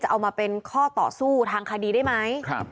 เอามาเป็นข้อต่อสู้ทางคดีได้ไหม